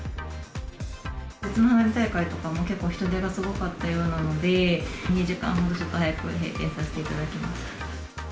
別の花火大会とかも結構人出がすごかったようなので、２時間ほど早く閉店させていただきます。